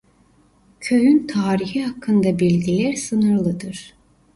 Köyün tarihi hakkında bilgiler sınırlıdır.